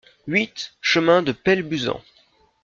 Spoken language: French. huit chemin de Pellebuzan